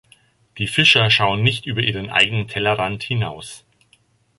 Die Fischer schauen nicht über ihren eigenen Tellerrand hinaus.